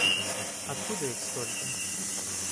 Откуда их столько?